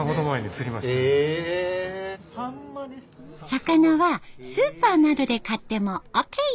魚はスーパーなどで買ってもオーケー。